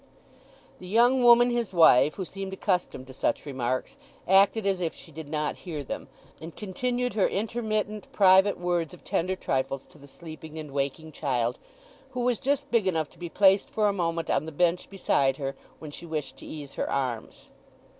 The young woman his wife, who seemed accustomed to such remarks, acted as if she did not hear them, and continued her intermittent private words of tender trifles to the sleeping and waking child, who was just big enough to be placed for a moment on the bench beside her when she wished to ease her arms.